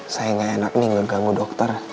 saya gak enak nih gak ganggu dokter